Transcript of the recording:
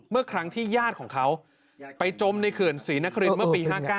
เมื่อครั้งที่ญาติของเขาไปจมในเขื่อนศรีนครินเมื่อปี๕๙